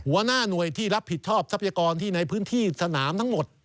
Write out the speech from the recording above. หัวหน้าหน่วยที่รับผิดชอบทรัพยากรที่ในพื้นที่สนามทั้งหมด